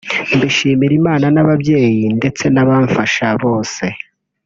mbishimira Imana n’ababyeyi ndetse n’abamfasha bose